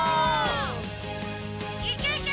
いけいけ！